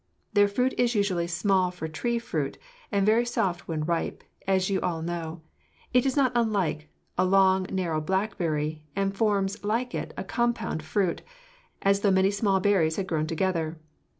The fruit is unusually small for tree fruit, and very soft when ripe, as you all know; it is not unlike a long, narrow blackberry, and forms, like it, a compound fruit, as though many small berries had grown together.